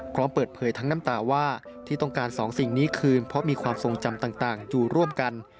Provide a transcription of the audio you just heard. พร้อมเปิดเผยทั้งน้ำตาว่าที่ต้องการสองสิ่งนี้คืนเพราะมีความทรงจำต่างอยู่ร่วมกัน